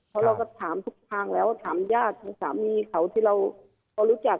เพราะเราก็ถามทุกทางแล้วถามญาติทางสามีเขาที่เรารู้จัก